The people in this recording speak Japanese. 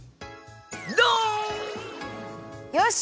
よし。